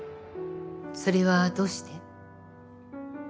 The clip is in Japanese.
それはどうして？